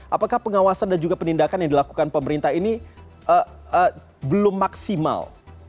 apakah pengawasan dan juga penindakan yang dilakukan pemerintah ini belum maksimal